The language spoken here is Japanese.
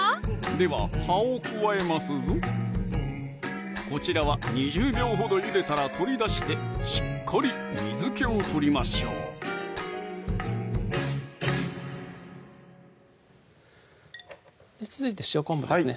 では葉を加えますぞこちらは２０秒ほどゆでたら取り出してしっかり水気を取りましょう続いて塩昆布ですね